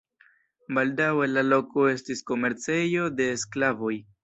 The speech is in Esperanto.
Baldaŭe la loko estis komercejo de sklavoj.